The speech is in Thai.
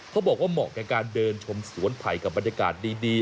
เขาบอกว่าเหมาะกับการเดินชมสวนไผ่กับบรรยากาศดี